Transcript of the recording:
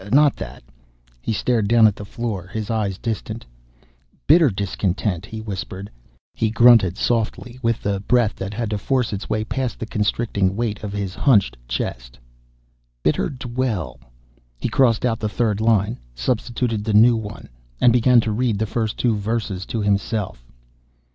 Not that." He stared down at the floor, his eyes distant. "Bitter discontent," he whispered. He grunted softly with breath that had to force its way past the constricting weight of his hunched chest. "Bitter dwell." He crossed out the third line, substituted the new one, and began to read the first two verses to himself.